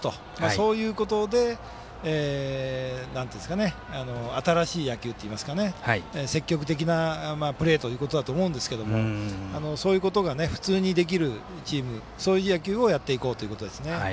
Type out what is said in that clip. そういうことで新しい野球というか積極的なプレーだと思いますがそういうことが普通にできるチームそういう野球をやっていこうということですね。